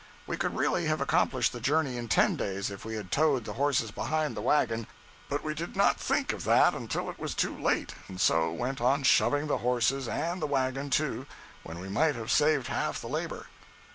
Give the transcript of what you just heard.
We could really have accomplished the journey in ten days if we had towed the horses behind the wagon, but we did not think of that until it was too late, and so went on shoving the horses and the wagon too when we might have saved half the labor.